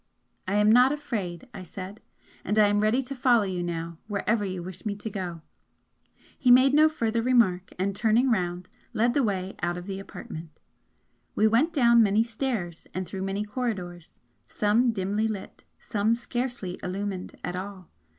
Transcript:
"I am not afraid!" I said "And I am ready to follow you now wherever you wish me to go." He made no further remark and, turning round, led the way out of the apartment. We went down many stairs and through many corridors, some dimly lit, some scarcely illumined at all.